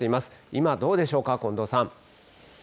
今、どうでしょうか、近藤さん。